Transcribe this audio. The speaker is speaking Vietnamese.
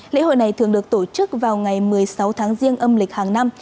lễ hội này thường được tổ chức vào ngày một mươi sáu tháng riêng âm lịch hàng năm